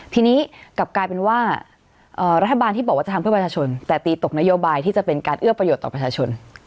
ทีนี้กลับกลายเป็นว่ารัฐบาลที่บอกว่าจะทำเพื่อประชาชนแต่ตีตกนโยบายที่จะเป็นการเอื้อประโยชน์ต่อประชาชน